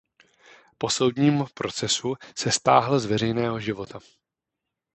Po soudním procesu se stáhl z veřejného života.